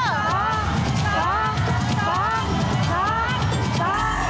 ตัวแม่งที่สองเป็นเลข๔นะคะ